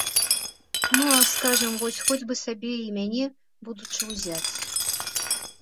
Ну, а, скажам, вось хоць бы сабе і мяне, будучы, узяць.